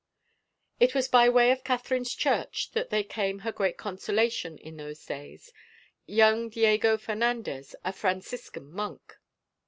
It was by way of Catherine's church that there came 94 THE INSULT her great consolation in those days, young Diego Fer nandez, a Franciscan monk.